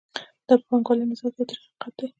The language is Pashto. دا په پانګوالي نظام کې یو تریخ واقعیت دی